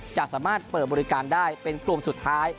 จะสามารถเปิดบริการได้เป็นกลุ่มสุดท้าย